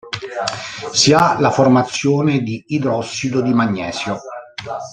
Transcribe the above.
Si ha la formazione di idrossido di magnesio.